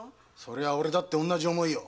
俺だって同じ思いよ。